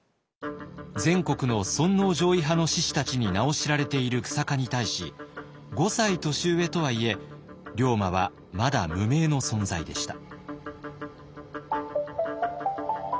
全国の尊皇攘夷派の志士たちに名を知られている久坂に対し５歳年上とはいえ龍馬はまだ無名の存在でした。